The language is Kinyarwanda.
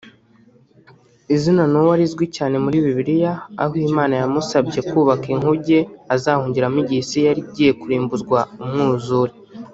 Izina Noah rizwi cyane muri Bibiliya aho Imana yamusabye kubaka inkuge azahungiramo igihe Isi yari igiye kurimbuzwa umwuzure